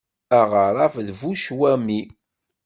Aɣaref d bu ccwami.